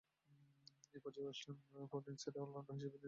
এ পর্যায়ে ওয়েস্টার্ন প্রভিন্সের অল-রাউন্ডার হিসেবে নিজেকে মেলে ধরেছিলেন।